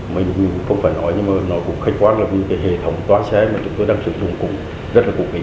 mình không phải nói nhưng mà nó cũng khách hoát là những cái hệ thống toa xe mà chúng tôi đang sử dụng cũng rất là cục kỳ